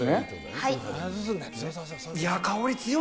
はい。